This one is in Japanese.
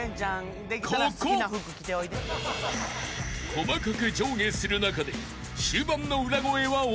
［細かく上下する中で］